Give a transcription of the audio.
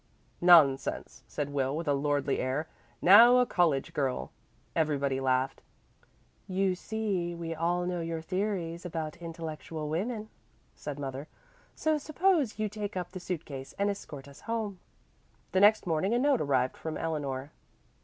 "Nonsense," said Will with a lordly air. "Now a college girl " Everybody laughed. "You see we all know your theories about intellectual women," said mother. "So suppose you take up the suit case and escort us home." The next morning a note arrived from Eleanor.